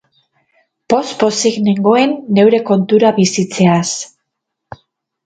Poz-pozik nengoen neure kontura bizitzeaz.